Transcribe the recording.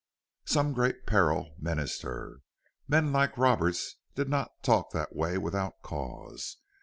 Some great peril menaced her. Men like Roberts did not talk that way without cause.